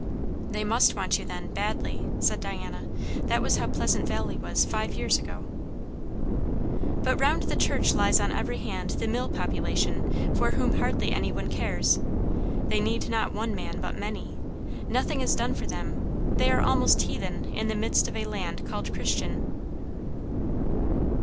"They must want you then, badly," said Diana. "That was how Pleasant Valley was five years ago." "But round the church lies on every hand the mill population, for whom hardly any one cares. They need not one man, but many. Nothing is done for them. They are almost heathen, in the midst of a land called Christian."